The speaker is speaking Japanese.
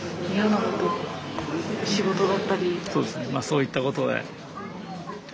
そういったことで。